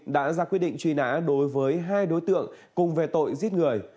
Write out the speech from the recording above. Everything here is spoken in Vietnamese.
đã ra quyết định truy nã đối với hai đối tượng cùng về tội giết người